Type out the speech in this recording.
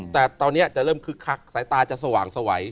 แต่ตอนนี้จะเริ่มคึกคักสายตาจะสว่างสวัย